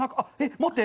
待って。